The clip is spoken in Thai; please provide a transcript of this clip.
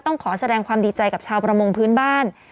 ขอแสดงความดีใจกับชาวประมงพื้นบ้าน